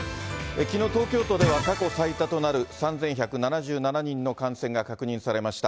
きのう、東京都では過去最多となる３１７７人の感染が確認されました。